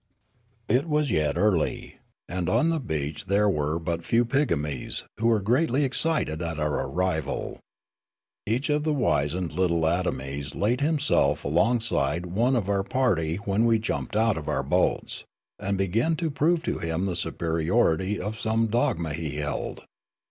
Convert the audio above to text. " It was yet early, and on the beach there were but few pigmies, who were greatly excited at our arrival. Each of the wizened little atomies laid himself along side of one of our party when we jumped out of our boats, and began to prove to him the superiority of some dogma he held.